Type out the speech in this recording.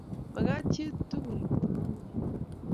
Magat chi togul ko mugul